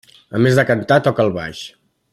A més de cantar, toca el baix.